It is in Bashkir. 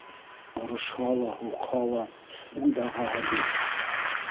Орошһа ла, һуҡһа ла, үҙ ағаһы бит.